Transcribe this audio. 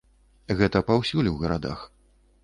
Гэта паўсюль у гарадах.